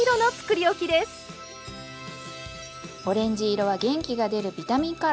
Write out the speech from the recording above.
オレンジ色は元気が出るビタミンカラー。